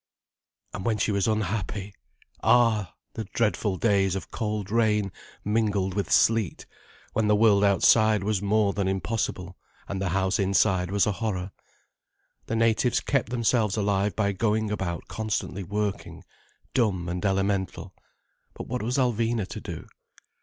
And when she was unhappy! Ah, the dreadful days of cold rain mingled with sleet, when the world outside was more than impossible, and the house inside was a horror. The natives kept themselves alive by going about constantly working, dumb and elemental. But what was Alvina to do?